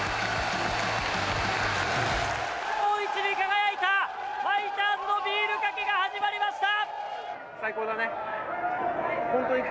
日本一に輝いたファイターズのビールかけが始まりました。